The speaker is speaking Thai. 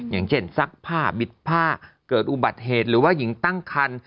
อย่างเช่นซักผ้าบิดผ้าเกิดอุบัติเหตุหรือว่าหญิงตั้งคัน